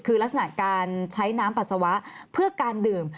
คือลักษณะการใช้น้ำปัสสาวะเพื่อการดื่ม